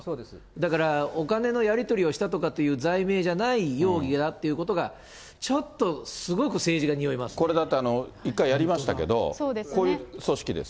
だから、お金のやり取りをしたとかという罪名じゃない容疑だということが、ちょっと、これだって、一回やりましたけど、こういう組織です。